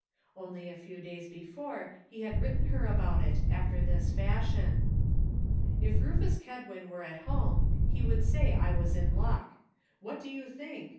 Only a few days before he had written her about it, after this fashion :" If Rufus Kedwin were at home he would say I was in luck. What do you think?